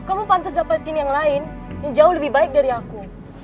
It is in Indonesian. kamu pantas dapatin yang lain yang jauh lebih baik dari aku